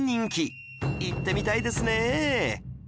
行ってみたいですね！